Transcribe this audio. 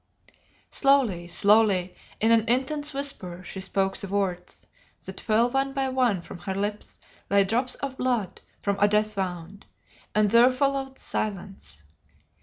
Slowly, slowly, in an intense whisper she spoke the words, that fell one by one from her lips like drops of blood from a death wound, and there followed silence.